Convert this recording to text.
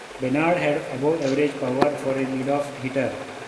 Benard had above-average power for a leadoff hitter.